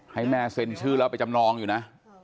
ให้แม่เซ็นชื่อแล้วไปจำนองอยู่นะ